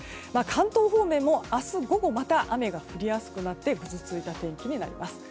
関東方面も明日午後また雨が降りやすくなってぐずついた天気になります。